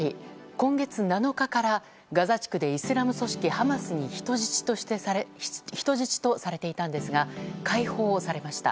今月７日からガザ地区でイスラム組織ハマスに人質とされていたんですが解放されました。